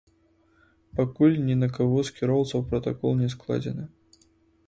Пакуль ні на каго з кіроўцаў пратакол не складзены.